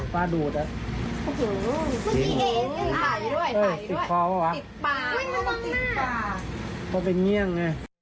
เพราะเป็นเงี่ยงไง